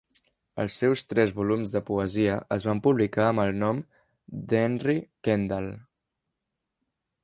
Els seus tres volums de poesia es van publicar amb el nom d'"Henry Kendall".